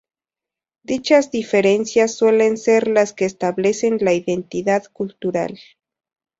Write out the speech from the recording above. Dichas diferencias suelen ser las que establecen la identidad cultural.